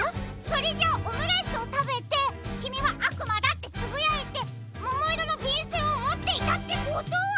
それじゃあオムライスをたべて「きみはあくまだ！」ってつぶやいてももいろのびんせんをもっていたってことは。